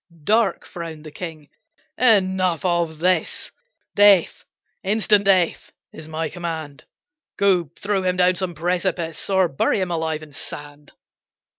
Dark frowned the king. "Enough of this, Death, instant death, is my command! Go throw him down some precipice, Or bury him alive in sand."